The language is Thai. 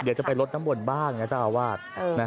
เดี๋ยวจะไปลดน้ำมนต์บ้างนะเจ้าอาวาส